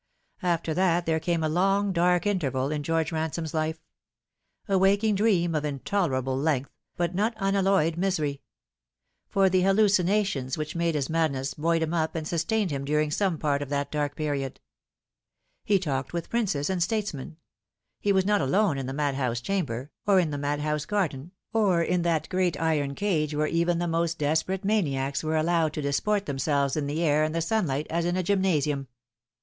After that there came a long dark interval in George Ran Bome's life a waking dream of intolerable length, but not unalloyed misery ; for the hallucinations which made his mad ness buoyed him up and sustained him during some part of that dark period. He talked with princes and statesmen ; he was not alone in the madhouse chamber, or in the madhouse garden, or in that great iron cage where even the most desperate maniacs were allowed to disport themselves in the air and the sunlight as in a gymnasium.